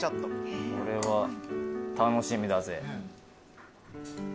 これは楽しみだぜ。